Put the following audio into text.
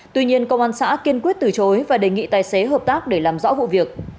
tuy nhiên công an xã kiên quyết từ chối và đề nghị tài xế hợp tác để làm rõ vụ việc